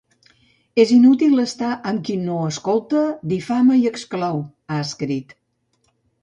És inútil estar amb qui no escolta, difama i exclou, ha escrit.